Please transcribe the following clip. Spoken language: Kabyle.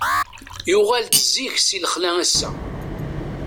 Yuɣal-d zik si lexla ass-a.